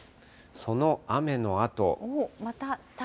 その雨のあと。